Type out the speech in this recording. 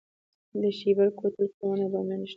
د شیبر کوتل پروان او بامیان نښلوي